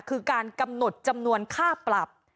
คือการกำหนดจำนวนค่าปรับ